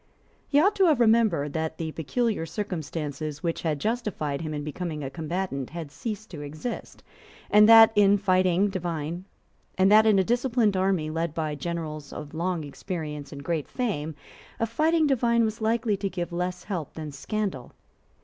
He ought to have remembered that the peculiar circumstances which had justified him in becoming a combatant had ceased to exist, and that, in a disciplined army led by generals of long experience and great fame a fighting divine was likely to give less help than scandal.